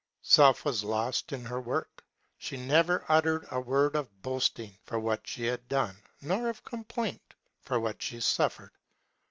Self was lost in her work ; she never uttered a word of boast ing for what she had done nor of complaint for what she sufiered.